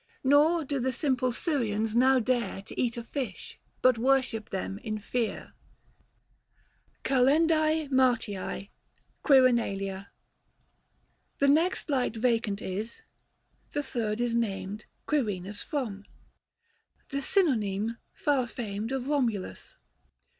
Nor do the simple Syrians now dare To eat a fish, but worship them in fear. 495 XIII. KAL. MART. QUIRINALIA. The next light vacant is : the third is named Quirinus from ; the synonym e, far famed, Of Komulus.